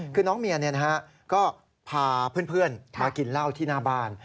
คือน้องเมียก็พาเพื่อนมากินเหล้าที่หน้าบ้าน